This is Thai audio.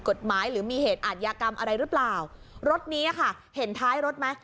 กฎหมายหรือมีเหตุอาทยากรรมอะไรหรือเปล่ารถนี้ค่ะเห็นท้ายรถไหม